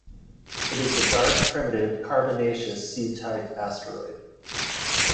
It is a dark, primitive carbonaceous C-type asteroid.